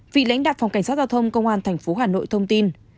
vị lãnh đạo phòng cảnh sát giao thông công an tp hà nội thông tin